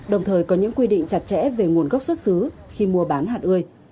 đồng thời có những quy định chặt chẽ về nguồn gốc xuất xứ khi mua bán hạt ươi